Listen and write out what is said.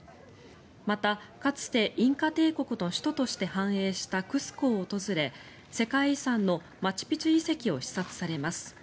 また、かつてインカ帝国の首都として繁栄したクスコを訪れ世界遺産のマチュピチュ遺跡を視察されます。